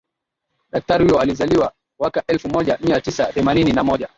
daktari huyo alizaliwa waka elfu moja mia tisa themanini na moja